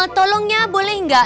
tolongnya boleh gak